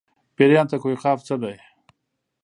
پېریانو ته کوه قاف څه دي.